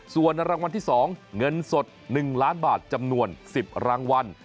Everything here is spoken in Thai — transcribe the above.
ส่วนรางวัลที่๒เงินสด๑ล้านบาทจำนวน๑๐รางวัล